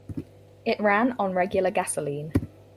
It ran on regular gasoline.